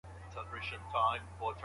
د چلند تاریخچه د ستونزو د حل لار ښیي.